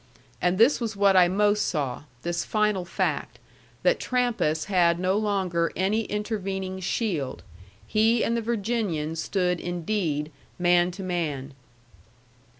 And this was what I most saw, this final fact, that Trampas had no longer any intervening shield. He and the Virginian stood indeed man to man.